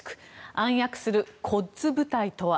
暗躍するコッズ部隊とは？